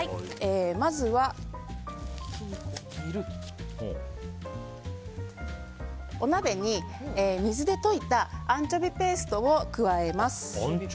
まずは、お鍋に水で溶いたアンチョビペーストを加えます。